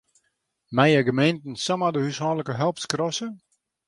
Meie gemeenten samar de húshâldlike help skrasse?